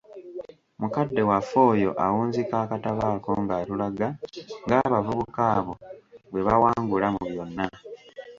Mukadde waffe oyo awunzika akatabo ako ng'atulaga ng'abavubuka abo bwebawangula mu byonna.